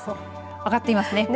上がっていますね。